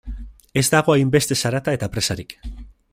Ez dago hainbeste zarata eta presarik.